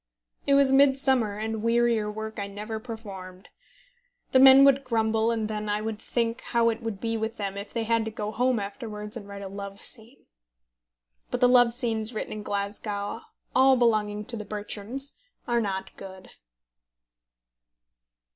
It was midsummer, and wearier work I never performed. The men would grumble, and then I would think how it would be with them if they had to go home afterwards and write a love scene. But the love scenes written in Glasgow, all belonging to The Bertrams, are not good.